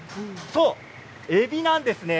そう、えびなんです。